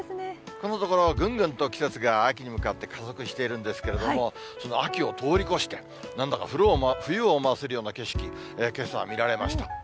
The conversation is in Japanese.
このところ、ぐんぐんと季節が秋に向かって加速しているんですけれども、その秋を通り越して、なんだか冬を思わせるような景色、けさ、見られました。